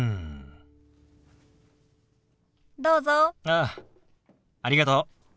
ああありがとう。